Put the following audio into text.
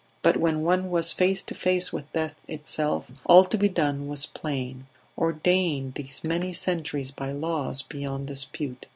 But when one was face to face with death itself all to be done was plain ordained these many centuries by laws beyond dispute.